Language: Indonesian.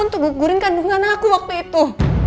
untuk gugurin kandungan aku waktu itu